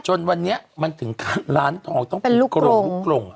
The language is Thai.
จนวันนี้มันถึงร้านทองต้องเป็นลูกกรงลูกกรง